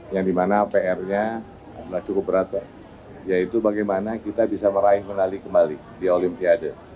yang dimana pr nya cukup berat yaitu bagaimana kita bisa meraih medali kembali di olimpiade